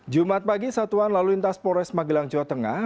jumat pagi satuan lalu lintas polres magelang jawa tengah